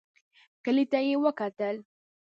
کلي ته يې وکتل.